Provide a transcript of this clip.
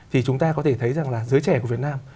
thì chúng ta có thể thấy rằng là giới trẻ của việt nam